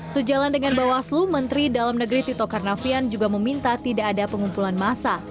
sejalan dengan bawaslu menteri dalam negeri tito karnavian juga meminta tidak ada pengumpulan massa